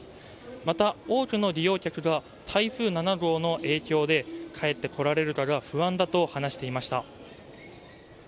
また多くの利用客が台風７号の影響で帰ってこられるかが不安だと話していました。